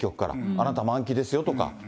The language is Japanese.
あなた満期ですよとか。